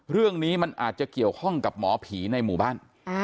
เรื่องนี้มันอาจจะเกี่ยวข้องกับหมอผีในหมู่บ้าน